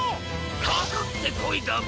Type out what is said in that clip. かかってこいだビ！